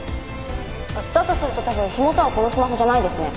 だとすると多分火元はこのスマホじゃないですね。